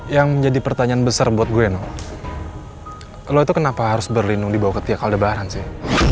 yang menjadi pertanyaan besar buat gue nino lo itu kenapa harus berlindung di bawah ketiak aldebaran sih